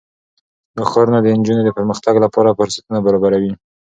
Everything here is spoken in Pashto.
دا ښارونه د نجونو د پرمختګ لپاره فرصتونه برابروي.